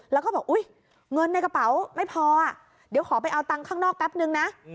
แล้วก็บอกอุ๊ยเงินในกระเป๋าไม่พอเดี๋ยวขอไปเอาตังค์ข้างนอกแป๊บนึงนะ